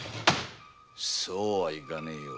そうはいかないよ。